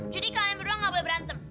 jadi kalian berdua nggak boleh berantem